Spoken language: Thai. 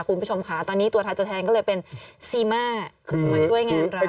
คุณผู้ชมค่ะตอนนี้ตัวแทนตัวแทนก็เลยเป็นซีม่ามาช่วยงานเรา